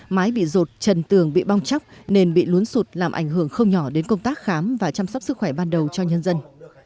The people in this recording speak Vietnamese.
mái bị rột trần tường bị bong chóc nền bị luốn sụt làm ảnh hưởng không nhỏ đến công tác khám và chăm sóc sức khỏe ban đầu cho nhân dân